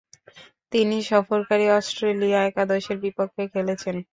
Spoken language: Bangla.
তিনি সফরকারী অস্ট্রেলিয়া একাদশের বিপক্ষে খেলেছেন।